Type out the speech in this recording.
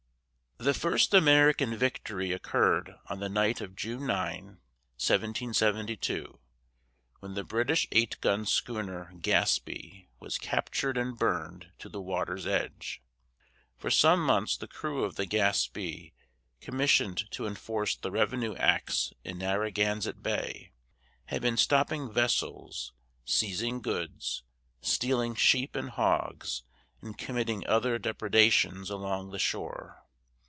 The first American "victory" occurred on the night of June 9, 1772, when the British eight gun schooner Gaspee was captured and burned to the water's edge. For some months the crew of the Gaspee, commissioned to enforce the revenue acts in Narragansett Bay, had been stopping vessels, seizing goods, stealing sheep and hogs, and committing other depredations along the shore.